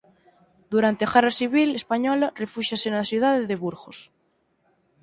Durante a Guerra Civil española refúxiase na cidade de Burgos.